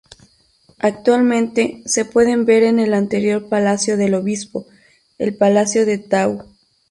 Actualmente se pueden ver en el anterior palacio del obispo, el Palacio de Tau.